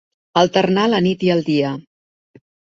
Alternar la nit i el dia.